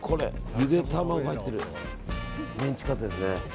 ゆで卵入ってるメンチカツですね。